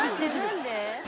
何で？